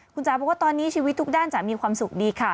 คุณจ๋าบอกว่าตอนนี้ชีวิตทุกด้านจ๋ามีความสุขดีค่ะ